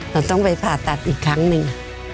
เราต้องไปผ่าตัดอีกครั้งหนึ่ง